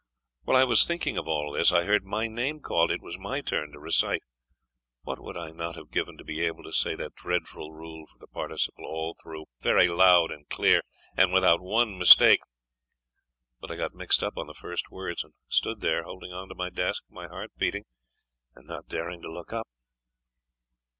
While I was thinking of all this, I heard my name called. It was my turn to recite. What would I not have given to be able to say that dreadful rule for the participle all through, very loud and clear, and without one mistake? But I got mixed up on the first words and stood there, holding on to my desk, my heart beating, and not daring to look up.